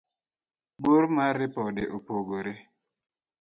bor mar ripode opogore